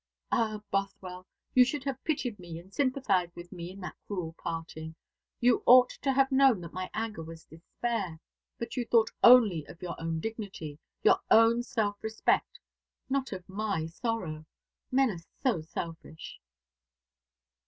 Ah, Bothwell, you should have pitied me and sympathised with me in that cruel parting. You ought to have known that my anger was despair. But you thought only of your own dignity, your own self respect not of my sorrow. Men are so selfish."